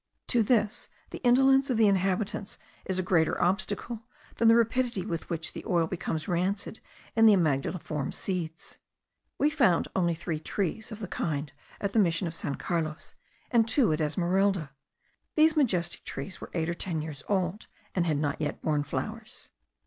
To this the indolence of the inhabitants is a greater obstacle than the rapidity with which the oil becomes rancid in the amygdaliform seeds. We found only three trees of the kind at the mission of San Carlos, and two at Esmeralda. These majestic trees were eight or ten years old, and had not yet borne flowers.